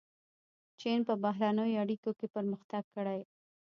چین په بهرنیو اړیکو کې پرمختګ کړی.